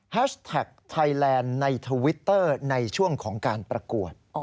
แท็กไทยแลนด์ในทวิตเตอร์ในช่วงของการประกวด